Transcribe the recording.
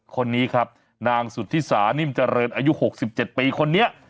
คนนี้ครับนางสุธิสานิ่มเจริญอายุ๖๗ปีคนนี้